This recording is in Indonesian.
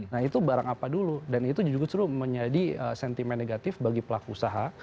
nah itu barang apa dulu dan itu juga menjadi sentimen negatif bagi pemerintah